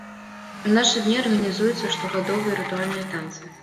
У нашы дні арганізуюцца штогадовыя рытуальныя танцы.